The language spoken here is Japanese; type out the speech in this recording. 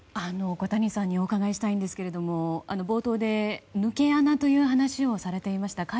小谷さんにお伺いしたいんですけど冒頭で、抜け穴という話をされていました。